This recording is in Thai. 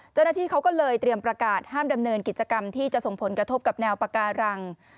เจ้าหน้าที่เขาก็เลยเตรียมประกาศห้ามดำเนินกิจกรรมที่จะส่งผลกระทบกับแนวปาการัง